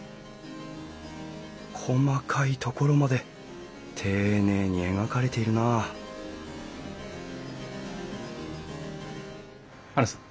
細かいところまで丁寧に描かれているなハルさん。